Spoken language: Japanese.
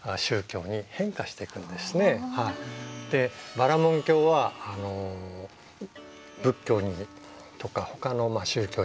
バラモン教は仏教とかほかの宗教に攻撃されてですね